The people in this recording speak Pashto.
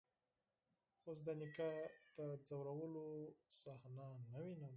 اوس د نيکه د ځورولو صحنه نه وينم.